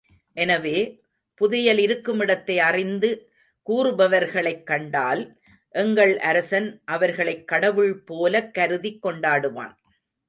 எனவே, புதையல் இருக்குமிடத்தை அறிந்து கூறுபவர்களைக் கண்டால் எங்கள் அரசன் அவர்களைக் கடவுள் போலக் கருதிக் கொண்டாடுவான்.